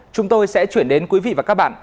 chúng tôi sẽ chuyển đến quý vị và các bạn